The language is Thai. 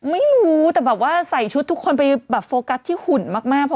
ไม่รู้แต่แบบว่าใส่ชุดทุกคนไปแบบโฟกัสที่หุ่นมาก